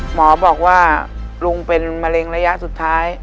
หมอบอกว่าลุงเป็นมะเร็งระยะสุดท้าย